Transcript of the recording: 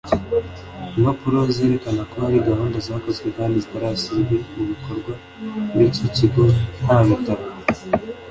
impapuro zerekana ko hari gahunda zakozwe kandi zitarashyizwe mu bikorwa Muri icyo kigo nta bitabo